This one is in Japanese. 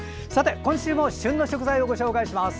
今週も旬の食材をご紹介します。